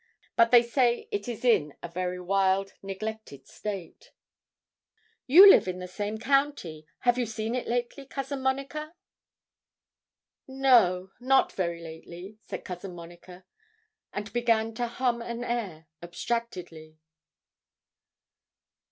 But they say it is in a very wild, neglected state.' 'You live in the same county have you seen it lately, Cousin Monica?' 'No, not very lately,' said Cousin Monica, and began to hum an air abstractedly.